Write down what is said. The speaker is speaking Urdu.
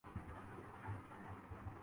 خود ہی اس مخلوق کے رویے پر تبصرہ کیاہے